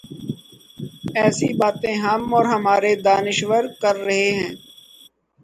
ایسی باتیں ہم اور ہمارے دانشور کر رہے ہیں۔